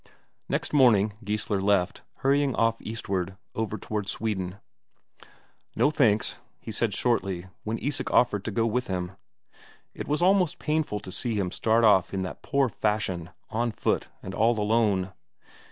Next morning Geissler left, hurrying off eastward, over toward Sweden. "No, thanks," he said shortly, when Isak offered to go with him. It was almost painful to see him start off in that poor fashion, on foot and all alone.